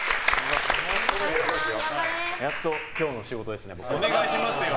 やっと、今日の僕の仕事ですね。